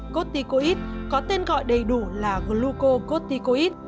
corticoid có tên gọi đầy đủ là glucocorticoid